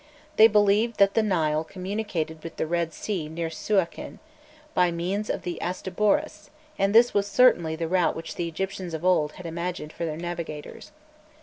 They believed that the Nile communicated with the Red Sea near Suakin, by means of the Astaboras, and this was certainly the route which the Egyptians of old had imagined for their navigators.